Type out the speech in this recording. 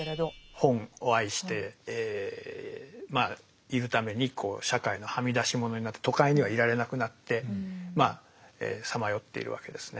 本を愛しているために社会のはみ出し者になって都会にはいられなくなってまあさまよっているわけですね。